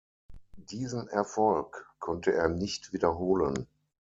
Diesen Erfolg konnte er nicht wiederholen.